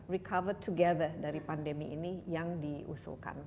recover together dari pandemi ini yang diusulkan